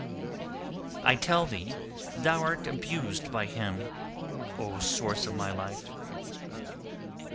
"I tell thee thou'rt abused by him, O source of my life."